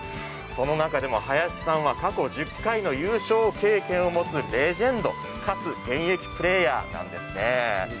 その中もで林さんは過去１０回の優勝経験を持つレジェンドかつ現役プレーヤーなんですね。